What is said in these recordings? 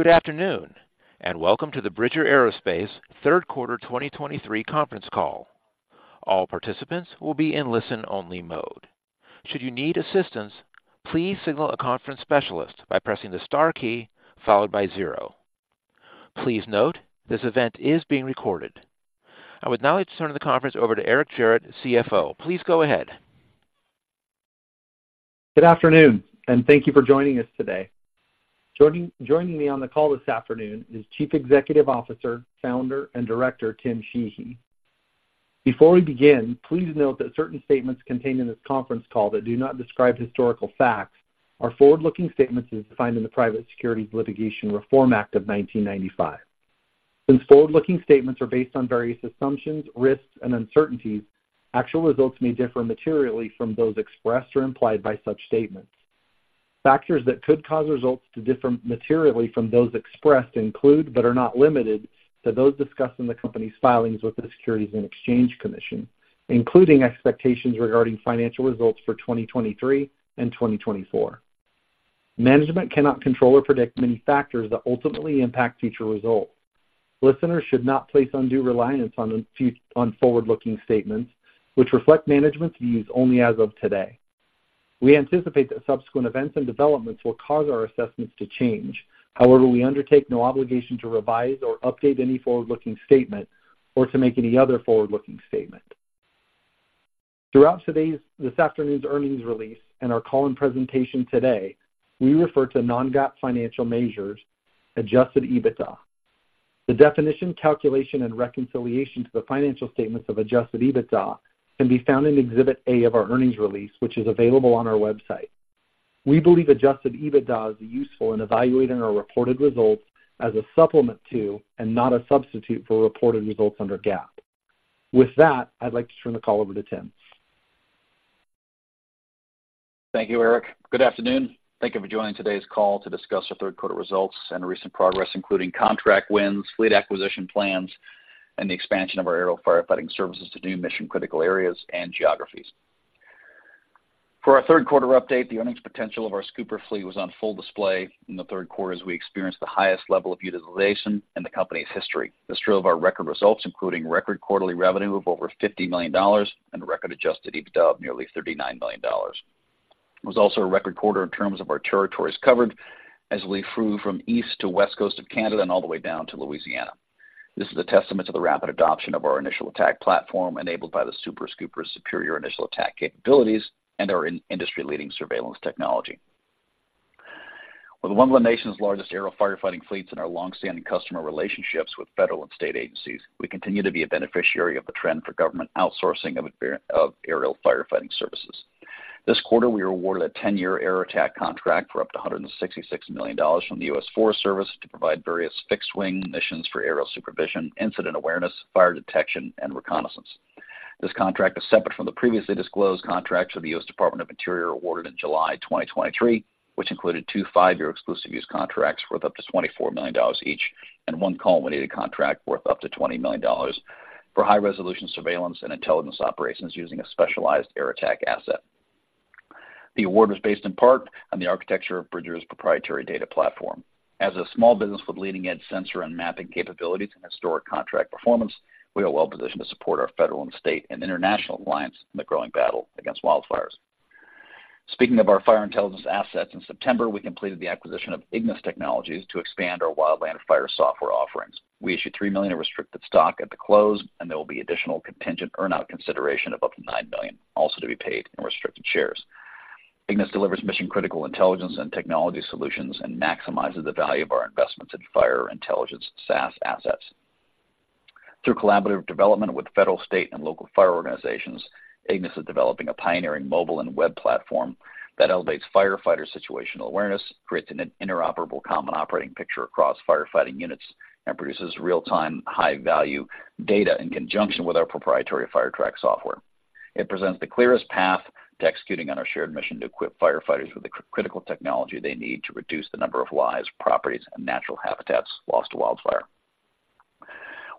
Good afternoon, and welcome to the Bridger Aerospace third quarter 2023 conference call. All participants will be in listen-only mode. Should you need assistance, please signal a conference specialist by pressing the star key followed by zero. Please note, this event is being recorded. I would now like to turn the conference over to Eric Gerratt, CFO. Please go ahead. Good afternoon, and thank you for joining us today. Joining me on the call this afternoon is Chief Executive Officer, Founder, and Director, Tim Sheehy. Before we begin, please note that certain statements contained in this conference call that do not describe historical facts are forward-looking statements as defined in the Private Securities Litigation Reform Act of 1995. Since forward-looking statements are based on various assumptions, risks, and uncertainties, actual results may differ materially from those expressed or implied by such statements. Factors that could cause results to differ materially from those expressed include, but are not limited to, those discussed in the company's filings with the Securities and Exchange Commission, including expectations regarding financial results for 2023 and 2024. Management cannot control or predict many factors that ultimately impact future results. Listeners should not place undue reliance on forward-looking statements which reflect management's views only as of today. We anticipate that subsequent events and developments will cause our assessments to change. However, we undertake no obligation to revise or update any forward-looking statement or to make any other forward-looking statement. Throughout this afternoon's earnings release and our call and presentation today, we refer to non-GAAP financial measures, Adjusted EBITDA. The definition, calculation, and reconciliation to the financial statements of Adjusted EBITDA can be found in Exhibit A of our earnings release, which is available on our website. We believe Adjusted EBITDA is useful in evaluating our reported results as a supplement to, and not a substitute for, reported results under GAAP. With that, I'd like to turn the call over to Tim. Thank you, Eric. Good afternoon. Thank you for joining today's call to discuss our third quarter results and recent progress, including contract wins, fleet acquisition plans, and the expansion of our aerial firefighting services to new mission-critical areas and geographies. For our third quarter update, the earnings potential of our scooper fleet was on full display. In the third quarter, as we experienced the highest level of utilization in the company's history, this drove our record results, including record quarterly revenue of over $50 million and record Adjusted EBITDA of nearly $39 million. It was also a record quarter in terms of our territories covered as we flew from east to west coast of Canada and all the way down to Louisiana. This is a testament to the rapid adoption of our initial attack platform, enabled by the Super Scooper's superior initial attack capabilities and our industry-leading surveillance technology. With one of the nation's largest aerial firefighting fleets and our long-standing customer relationships with federal and state agencies, we continue to be a beneficiary of the trend for government outsourcing of aerial firefighting services. This quarter, we were awarded a 10-year air attack contract for up to $166 million from the U.S. Forest Service to provide various fixed-wing missions for aerial supervision, incident awareness, fire detection, and reconnaissance. This contract is separate from the previously disclosed contracts for the U.S. Department of the Interior, awarded in July 2023, which included two five-year exclusive use contracts worth up to $24 million each, and one Call-When-Needed contract worth up to $20 million for high-resolution surveillance and intelligence operations using a specialized air attack asset. The award was based in part on the architecture of Bridger's proprietary data platform. As a small business with leading-edge sensor and mapping capabilities and historic contract performance, we are well positioned to support our federal and state and international alliance in the growing battle against wildfires. Speaking of our fire intelligence assets, in September, we completed the acquisition of Ignis Technologies to expand our wildland fire software offerings. We issued $3 million in restricted stock at the close, and there will be additional contingent earn-out consideration of up to $9 million, also to be paid in restricted shares. Ignis delivers mission-critical intelligence and technology solutions and maximizes the value of our investments in fire intelligence SaaS assets. Through collaborative development with federal, state, and local fire organizations, Ignis is developing a pioneering mobile and web platform that elevates firefighter situational awareness, creates an interoperable common operating picture across firefighting units, and produces real-time, high-value data in conjunction with our proprietary FireTrac software. It presents the clearest path to executing on our shared mission to equip firefighters with the critical technology they need to reduce the number of lives, properties, and natural habitats lost to wildfire.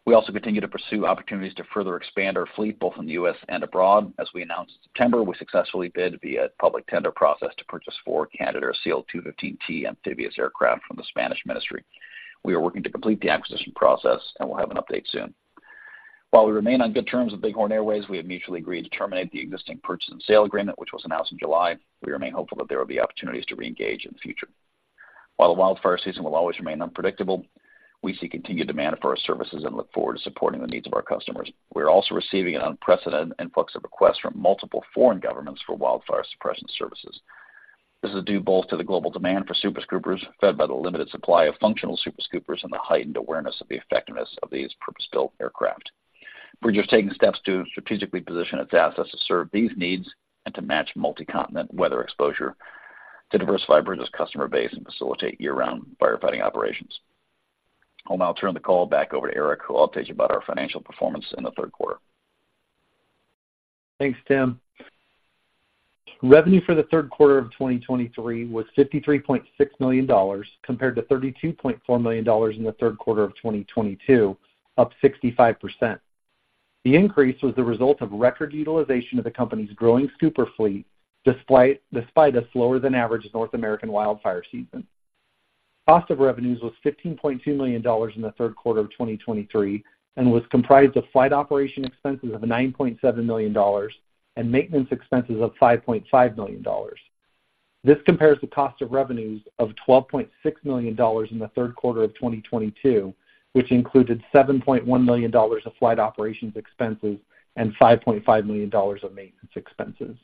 We also continue to pursue opportunities to further expand our fleet, both in the U.S. and abroad. As we announced in September, we successfully bid via public tender process to purchase four Canadair CL-215T amphibious aircraft from the Spanish Ministry. We are working to complete the acquisition process, and we'll have an update soon. While we remain on good terms with Bighorn Airways, we have mutually agreed to terminate the existing purchase and sale agreement, which was announced in July. We remain hopeful that there will be opportunities to reengage in the future. While the wildfire season will always remain unpredictable, we see continued demand for our services and look forward to supporting the needs of our customers. We're also receiving an unprecedented influx of requests from multiple foreign governments for wildfire suppression services. This is due both to the global demand for Super Scoopers, fed by the limited supply of functional Super Scoopers and the heightened awareness of the effectiveness of these purpose-built aircraft. Bridger is taking steps to strategically position its assets to serve these needs and to match multi-continent weather exposure, to diversify Bridger's customer base, and facilitate year-round firefighting operations. I'll now turn the call back over to Eric, who will update you about our financial performance in the third quarter. Thanks, Tim. Revenue for the third quarter of 2023 was $53.6 million, compared to $32.4 million in the third quarter of 2022, up 65%. The increase was the result of record utilization of the company's growing super fleet, despite a slower than average North American wildfire season. Cost of revenues was $15.2 million in the third quarter of 2023, and was comprised of flight operation expenses of $9.7 million and maintenance expenses of $5.5 million. This compares to cost of revenues of $12.6 million in the third quarter of 2022, which included $7.1 million of flight operations expenses and $5.5 million of maintenance expenses.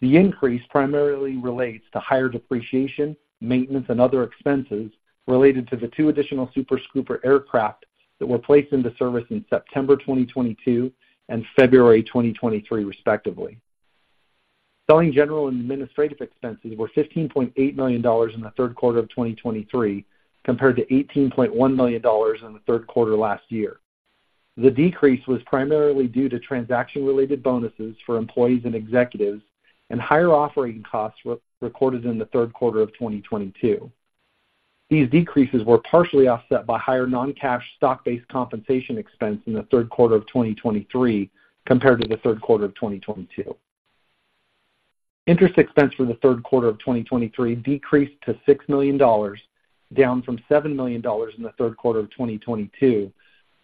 The increase primarily relates to higher depreciation, maintenance, and other expenses related to the two additional Super Scooper aircraft that were placed into service in September 2022 and February 2023, respectively. Selling, general, and administrative expenses were $15.8 million in the third quarter of 2023, compared to $18.1 million in the third quarter last year. The decrease was primarily due to transaction-related bonuses for employees and executives, and higher operating costs re-recorded in the third quarter of 2022. These decreases were partially offset by higher non-cash stock-based compensation expense in the third quarter of 2023 compared to the third quarter of 2022. Interest expense for the third quarter of 2023 decreased to $6 million, down from $7 million in the third quarter of 2022,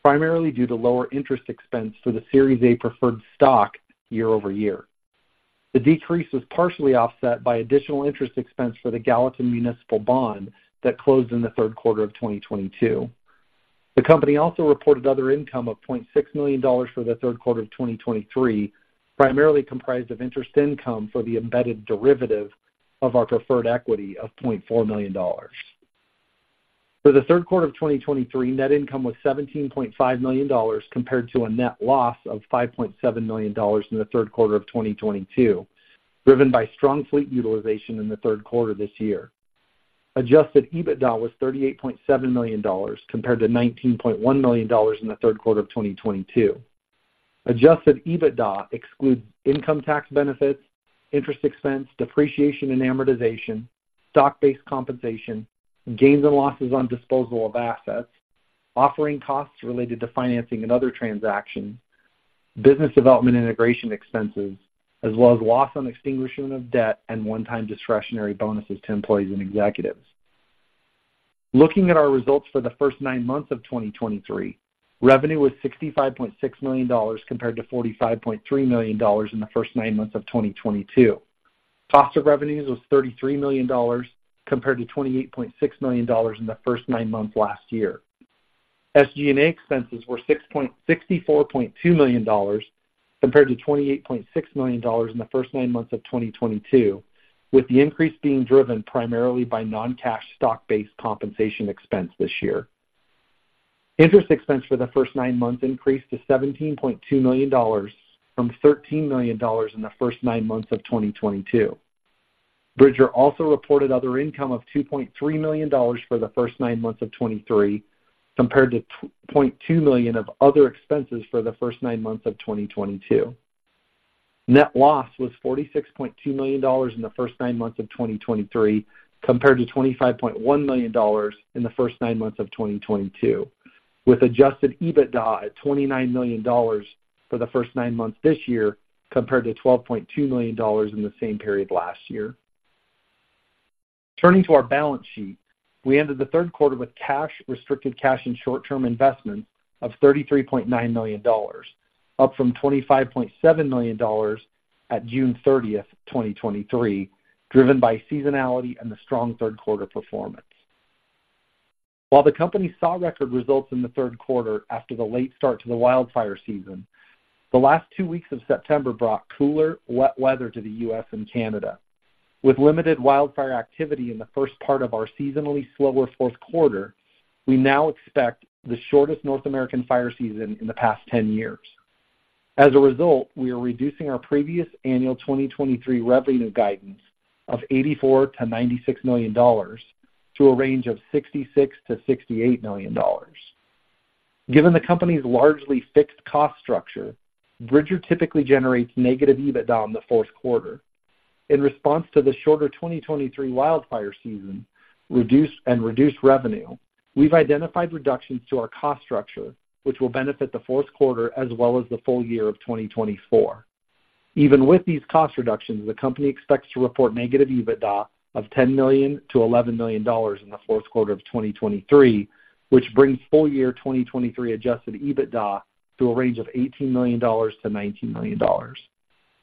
primarily due to lower interest expense for the Series A Preferred Stock year-over-year. The decrease was partially offset by additional interest expense for the Gallatin Municipal Bond that closed in the third quarter of 2022. The company also reported other income of $0.6 million for the third quarter of 2023, primarily comprised of interest income for the embedded derivative of our preferred equity of $0.4 million. For the third quarter of 2023, net income was $17.5 million, compared to a net loss of $5.7 million in the third quarter of 2022, driven by strong fleet utilization in the third quarter this year. Adjusted EBITDA was $38.7 million, compared to $19.1 million in the third quarter of 2022. Adjusted EBITDA excludes income tax benefits, interest expense, depreciation and amortization, stock-based compensation, gains and losses on disposal of assets, offering costs related to financing and other transactions, business development integration expenses, as well as loss on extinguishment of debt and one-time discretionary bonuses to employees and executives. Looking at our results for the first nine months of 2023, revenue was $65.6 million, compared to $45.3 million in the first nine months of 2022. Cost of revenues was $33 million, compared to $28.6 million in the first nine months last year. SG&A expenses were $64.2 million, compared to $28.6 million in the first nine months of 2022, with the increase being driven primarily by non-cash stock-based compensation expense this year. Interest expense for the first nine months increased to $17.2 million from $13 million in the first nine months of 2022. Bridger also reported other income of $2.3 million for the first nine months of 2023, compared to $0.2 million of other expenses for the first nine months of 2022. Net loss was $46.2 million in the first nine months of 2023, compared to $25.1 million in the first nine months of 2022, with Adjusted EBITDA at $29 million for the first nine months this year, compared to $12.2 million in the same period last year. Turning to our balance sheet, we ended the third quarter with cash, restricted cash and short-term investments of $33.9 million, up from $25.7 million at June 30th, 2023, driven by seasonality and the strong third quarter performance. While the company saw record results in the third quarter after the late start to the wildfire season, the last two weeks of September brought cooler, wet weather to the U.S. and Canada. With limited wildfire activity in the first part of our seasonally slower fourth quarter, we now expect the shortest North American fire season in the past 10 years. As a result, we are reducing our previous annual 2023 revenue guidance of $84 million-$96 million to a range of $66 million-$68 million. Given the company's largely fixed cost structure, Bridger typically generates negative EBITDA in the fourth quarter. In response to the shorter 2023 wildfire season, reduced revenue, we've identified reductions to our cost structure, which will benefit the fourth quarter as well as the full year of 2024. Even with these cost reductions, the company expects to report negative EBITDA of $10 million-$11 million in the fourth quarter of 2023, which brings full-year 2023 Adjusted EBITDA to a range of $18 million-$19 million.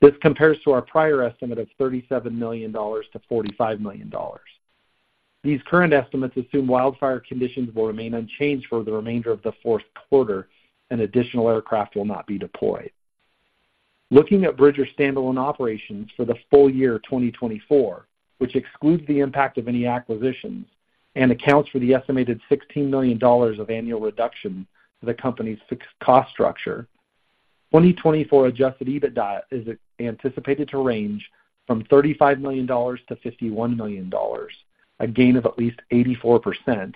This compares to our prior estimate of $37 million-$45 million. These current estimates assume wildfire conditions will remain unchanged for the remainder of the fourth quarter, and additional aircraft will not be deployed. Looking at Bridger standalone operations for the full year of 2024, which excludes the impact of any acquisitions and accounts for the estimated $16 million of annual reduction to the company's fixed cost structure, 2024 Adjusted EBITDA is anticipated to range from $35 million-$51 million, a gain of at least 84%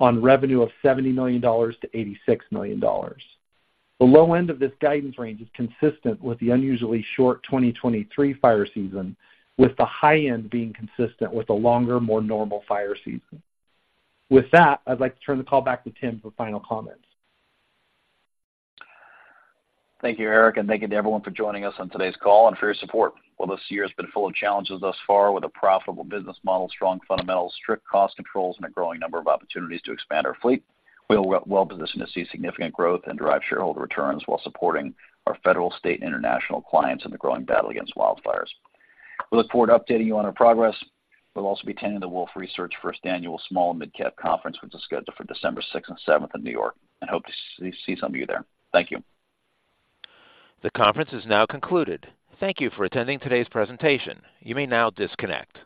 on revenue of $70 million-$86 million. The low end of this guidance range is consistent with the unusually short 2023 fire season, with the high end being consistent with a longer, more normal fire season. With that, I'd like to turn the call back to Tim for final comments. Thank you, Eric, and thank you to everyone for joining us on today's call and for your support. Well, this year has been full of challenges thus far. With a profitable business model, strong fundamentals, strict cost controls, and a growing number of opportunities to expand our fleet, we are well positioned to see significant growth and drive shareholder returns while supporting our federal, state, and international clients in the growing battle against wildfires. We look forward to updating you on our progress. We'll also be attending the Wolfe Research First Annual Small and Midcap Conference, which is scheduled for December 6th and 7th in New York, and hope to see some of you there. Thank you. The conference is now concluded. Thank you for attending today's presentation. You may now disconnect.